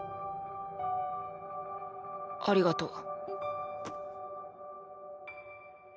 ありがとう。